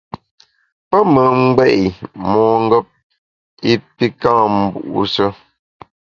Pe me ngbé’ mongep i pi ka’ mbu’she.